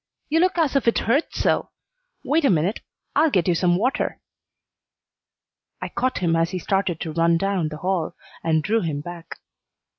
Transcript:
You look as if it hurts so. Wait a minute I'll get you some water." I caught him as he started to run down the hall, and drew him back.